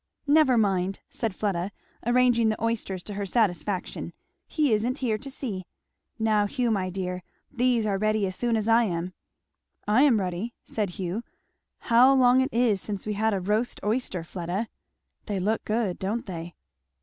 "Never mind!" said Fleda arranging the oysters to her satisfaction, "he isn't here to see. Now Hugh, my dear these are ready as soon as I am." "I am ready," said Hugh. "How long it is since we had a roast oyster, Fleda!" "They look good, don't they?"